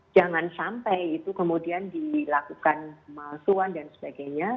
jangan sampai itu kemudian dilakukan pemalsuan dan sebagainya